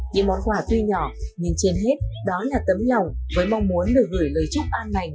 những món quà tuy nhỏ nhưng trên hết đó là tấm lòng với mong muốn được gửi lời chúc an lành